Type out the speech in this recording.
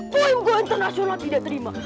poin gue internasional tidak terima